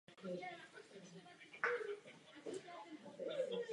Občanská neposlušnost není výlučně vázána na konkrétní ideologii nebo region.